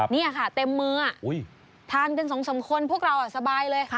นี่ค่ะเต็มมือทานกันสองสามคนพวกเราสบายเลยค่ะ